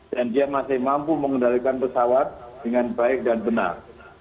dan dia masih mampu mengendalikan pesawat dengan baik dan benar